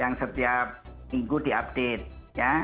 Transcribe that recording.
yang setiap minggu diupdate